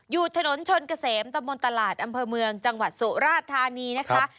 อยู่ถนนชนเกษมตะมนต์ตลาดอำเภอเมืองจังหวัดสุราธานีนะคะ